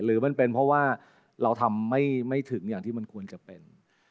หรือมันเป็นเพราะว่าเราทำไม่ถึงอย่างที่มันควรจะเป็น